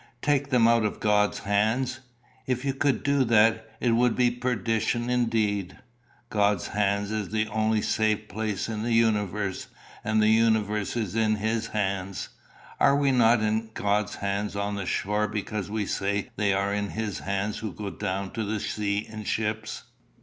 Take them out of God's hands! If you could do that, it would be perdition indeed. God's hands is the only safe place in the universe; and the universe is in his hands. Are we not in God's hands on the shore because we say they are in his hands who go down to the sea in ships?